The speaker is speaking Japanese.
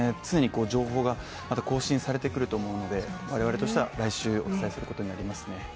常に情報がまた更新されてくると思うので我々としては来週お伝えすることになりますね。